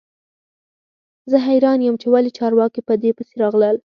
زه حیران یم چې ولې چارواکي په دې پسې راغلل